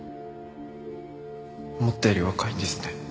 思ったより若いんですね。